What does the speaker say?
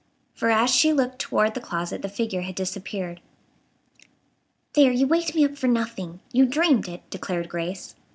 For as she looked toward the closet the figure had disappeared. "There, you waked me up for nothing. You dreamed it," declared Grace.